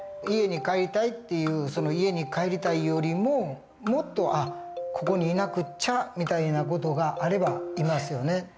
家に帰りたいっていう家に帰りたいよりももっと「あっここにいなくっちゃ」みたいな事があればいますよね。